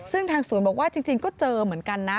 ซึ่งทางศูนย์บอกว่าจริงก็เจอเหมือนกันนะ